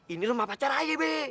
ini rumah pacar aja be